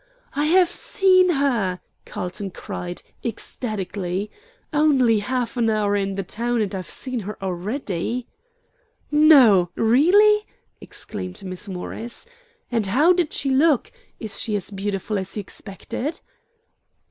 "I have seen her!" Carlton cried, ecstatically; "only half an hour in the town, and I've seen her already!" "No, really?" exclaimed Miss Morris. "And how did she look? Is she as beautiful as you expected?"